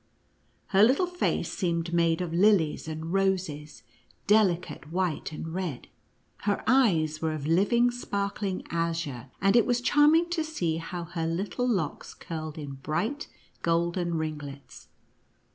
Her little face seemed made of lilies and roses, delicate white and red ; her eyes were of living sparkling azure, and it was charming to see how her little locks curled in bright golden ringlets.